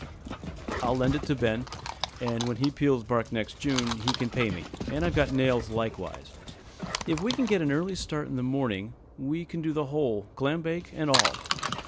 I'll lend it to Ben, and when he peels bark next June he can pay me; and I've got nails likewise. If we can get an early start in the morning, we can do the whole, clam bake and all.